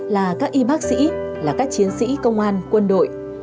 là các y bác sĩ là các chiến sĩ công an quân đội